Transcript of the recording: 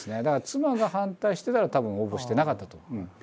だから妻が反対してたらたぶん応募してなかったと。